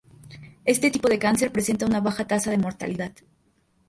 Este tipo de cáncer presenta una baja tasa de mortalidad.